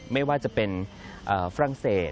ไม่ว่าจะเป็นฝรั่งเศส